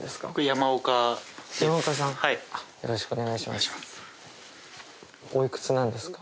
よろしくお願いします